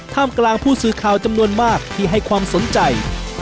กลางผู้สื่อข่าวจำนวนมากที่ให้ความสนใจ